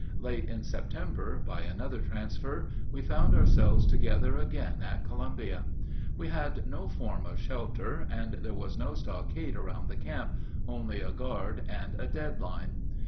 Late in September, by another transfer, we found ourselves together again at Columbia. We had no form of shelter, and there was no stockade around the camp, only a guard and a dead line.